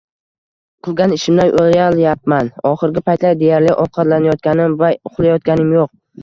Qilgan ishimdan uyalayapman, oxirgi paytlar deyarli ovqatlanayotganim va uxlayotganim yo‘q.